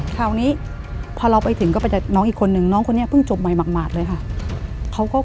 คราวนี้พอเราไปถึงก็ไปเจอน้องอีกคนนึงน้องคนนี้เพิ่งจบใหม่หมากเลยค่ะ